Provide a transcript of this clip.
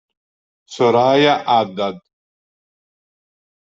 Soraya Haddad